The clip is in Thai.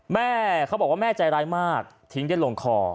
แม่เขาบอกว่าแม่ใจร้ายมากทิ้งได้ลงคอ